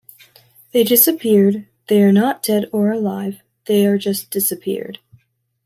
"They disappeared, they are not dead or alive, they are just disappeared".